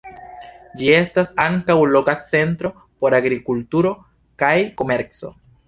Ĝi estas ankaŭ loka centro por agrikulturo kaj komerco.